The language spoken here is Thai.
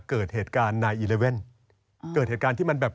เกิดเหตุการณ์๙๑๑เกิดเหตุการณ์ที่มันแบบ